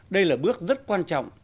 đây là bước rất quan trọng